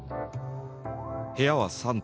部屋は３坪。